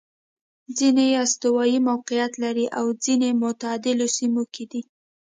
ځیني یې استوايي موقعیت لري او ځیني معتدلو سیمو کې دي.